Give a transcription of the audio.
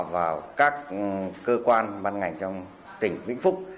vào các cơ quan băn ngành trong tỉnh vĩnh phúc